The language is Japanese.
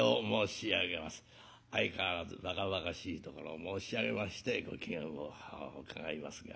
相変わらずばかばかしいところを申し上げましてご機嫌を伺いますが。